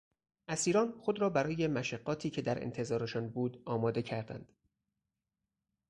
اسیران خود را برای مشقاتی که در انتظارشان بود آماده کردند.